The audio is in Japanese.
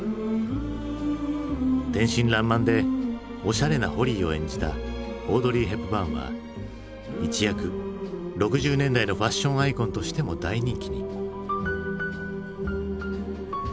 天真らんまんでおしゃれなホリーを演じたオードリー・ヘプバーンは一躍６０年代のファッションアイコンとしても大人気に。